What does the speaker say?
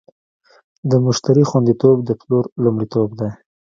د مشتری خوندیتوب د پلور لومړیتوب دی.